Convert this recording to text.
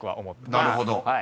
［なるほど。